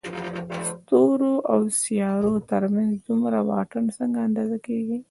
ستورو او سيارو تر منځ دومره واټن څنګه اندازه کېږي؟